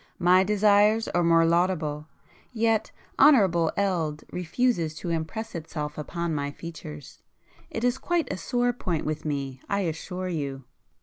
My desires are more laudable,—yet honourable eld refuses to impress itself upon my features. It is quite a sore point with me I assure you."